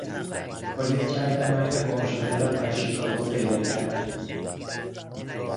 پلیس رد مرد گمشده را در شیکاگو پیدا کرد.